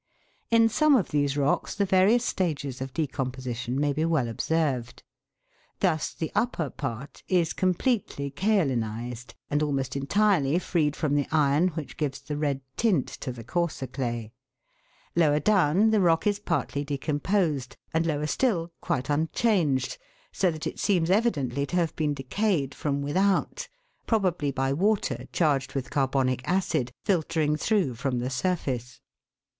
In some of these rocks the various stages of decomposition may be well observed. Thus the upper part is completely kaolinised, and almost entirely freed from the iron which gives the red tint to the coarser clay; lower down the rock is partly decomposed, and lower still quite unchanged, so that it seems evidently to have been decayed from without, probably by water charged with carbonic acid filtering 122 THE WORLDS LUMBER ROOM. through from the surface.